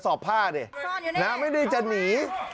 ซ่อนอยู่นี่นะฮะไม่ได้จะหนี